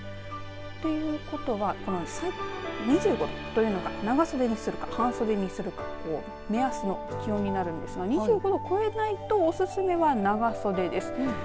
ということは２５度というのが長袖にするか半袖にするかの目安の気温になるんですが２５度超えないとおすすめは長袖です。